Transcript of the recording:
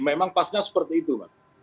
memang pasnya seperti itu mas